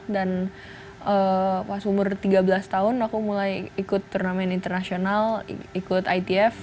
dan pas umur tiga belas tahun aku mulai ikut turnamen internasional ikut itf